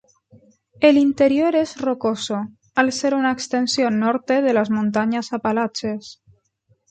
El interior es rocoso, al ser una extensión norte de las montañas Apalaches.